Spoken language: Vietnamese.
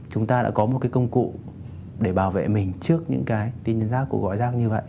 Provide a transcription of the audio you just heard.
chúng ta đã có một cái công cụ để bảo vệ mình trước những cái tin nhắn rác cuộc gọi rác như vậy